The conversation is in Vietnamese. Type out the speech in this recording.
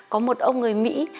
có một ông người mỹ